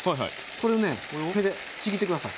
これをね手でちぎって下さい。